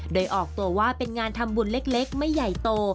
โดยออกตัวว่าเป็นงานทำบุญเล็กไม่ใหญ่โต